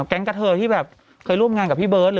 แก๊งกระเทิที่แบบเคยร่วมงานกับพี่เบิ๊ส